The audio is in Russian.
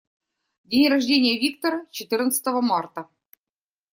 День рождения Виктора - четырнадцатого марта.